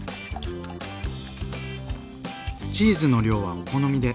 チーズの量はお好みで。